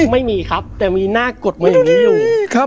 ไม่มีครับแต่มีหน้ากดอยู่